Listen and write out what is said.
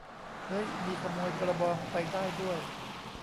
เฮ้ย มีขโมยกระบองไปได้ด้วย !